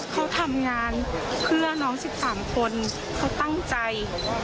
เขาทำงานเพื่อน้อง๑๓คนเขาตั้งใจ